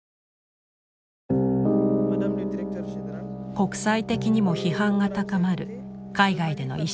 国際的にも批判が高まる海外での移植。